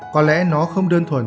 có lẽ nó không đơn thuần